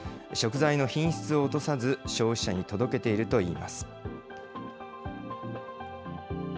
食材の品質を落とさず、消費者に届けているといいます。